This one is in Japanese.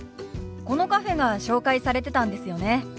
このカフェが紹介されてたんですよね？